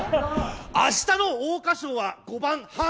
明日の桜花賞は５番。